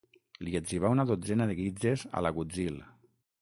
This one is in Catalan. Li etzibà una dotzena de guitzes a l'agutzil.